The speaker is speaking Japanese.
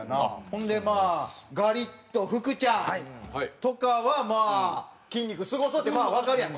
ほんでまあガリット福ちゃんとかはまあ筋肉すごそうってまあわかるやん。